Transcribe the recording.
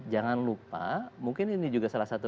jangan lupa mungkin ini juga salah satu